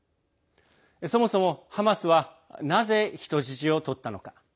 そもそもハマスはなぜ人質を取ったのか。